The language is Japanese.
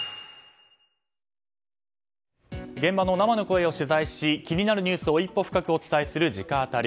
現場の生の声を取材し気になるニュースを一歩深くお伝えする直アタリ。